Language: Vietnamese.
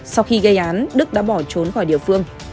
sau khi gây án đức đã bỏ trốn khỏi địa phương